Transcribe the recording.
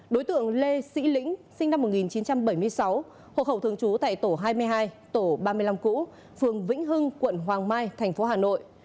đối tượng lê sĩ lĩnh sinh năm một nghìn chín trăm bảy mươi sáu hộ khẩu thường trú tại tổ hai mươi hai tổ ba mươi năm cũ phường vĩnh hưng quận hoàng mai thành phố hà nội